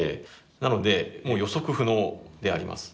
なのでもう予測不能であります。